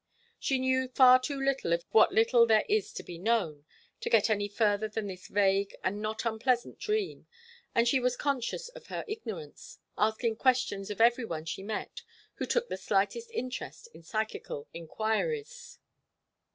She knew far too little of even what little there is to be known, to get any further than this vague and not unpleasant dream, and she was conscious of her ignorance, asking questions of every one she met who took the slightest interest in psychical enquiries.